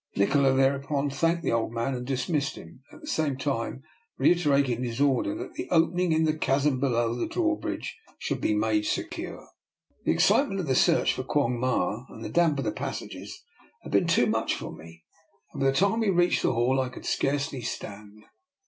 Nikola thereupon thanked the old man and dismissed him, at the same time reiterating his order that the opening in the chasm below the drawbridge should be made secure. The excitement of the search for Quong Ma and the damp of the passages had been 256 DR. NIKOLA'S EXPERIMENT. too much for me, and by the time we reached the hall I could scarcely stand.